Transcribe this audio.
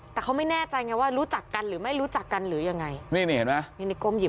แต่เขาไม่แน่ใจไงว่ารู้จักกันหรือไม่รู้จักกันหรือยังไงนี่นี่เห็นไหมนี่นี่ก้มหิ